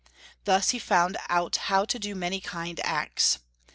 Thus he found our how to do many kind acts.